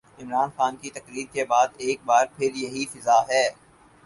عمران خان کی تقریر کے بعد ایک بار پھر یہی فضا ہے۔